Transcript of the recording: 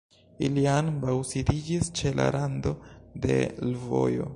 Ili ambaŭ sidiĝis ĉe la rando de l'vojo.